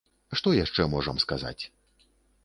Што яшчэ можам сказаць?